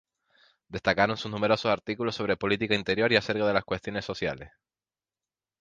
Destacaron sus numerosos artículos sobre política interior y acerca de las cuestiones sociales.